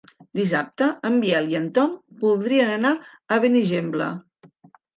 Dissabte en Biel i en Tom voldrien anar a Benigembla.